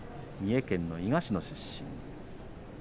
三重県の伊賀市の出身です。